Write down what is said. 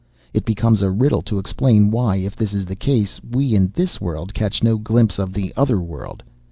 It becomes a riddle to explain why, if this is the case, we in this world catch no glimpse of the Other World.